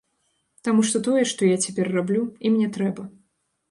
Таму што тое, што я цяпер раблю, ім не трэба.